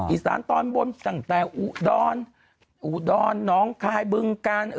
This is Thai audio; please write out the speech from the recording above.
อีสานตอนบนตั้งแต่อุดรอุดรน้องคายบึงกาล